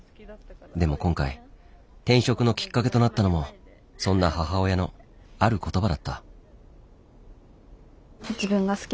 でも今回転職のきっかけとなったのもそんな母親のある言葉だった。